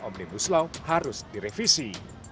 omnibus law harus direvisi